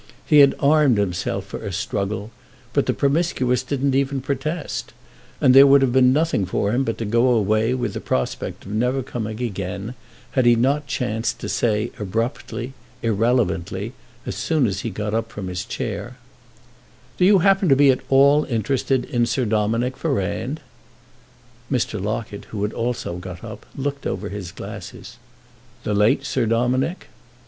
He had armed himself for a struggle, but the Promiscuous didn't even protest, and there would have been nothing for him but to go away with the prospect of never coming again had he not chanced to say abruptly, irrelevantly, as he got up from his chair: "Do you happen to be at all interested in Sir Dominick Ferrand?" Mr. Locket, who had also got up, looked over his glasses. "The late Sir Dominick?"